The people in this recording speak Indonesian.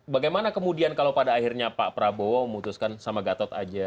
bagaimana kemudian kalau pada akhirnya pak prabowo memutuskan sama gatot aja